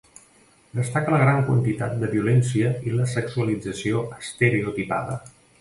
Destaca la gran quantitat de violència i la sexualització estereotipada.